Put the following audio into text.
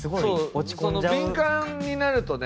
敏感になるとね。